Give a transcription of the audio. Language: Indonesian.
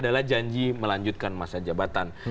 dan kita janji melanjutkan masa jabatan